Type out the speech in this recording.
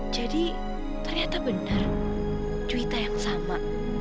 jadi ternyata benar juwita yang sama